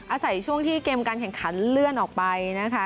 อาศัยช่วงที่เกมการแข่งขันเลื่อนออกไปนะคะ